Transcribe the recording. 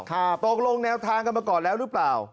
ตกลงแนวทางกันมาก่อนแล้วหรือเปล่า